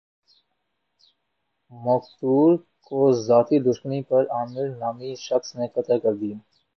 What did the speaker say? مقتول کو ذاتی دشمنی پر عامر نامی شخص نے قتل کردیا